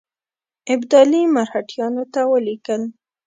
ابدالي مرهټیانو ته ولیکل.